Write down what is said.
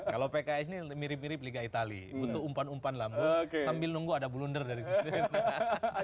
kalau pks ini mirip mirip liga itali butuh umpan umpan lambung sambil nunggu ada bulunder dari presiden